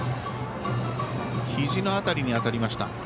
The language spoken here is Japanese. ひじの辺りに当たりました。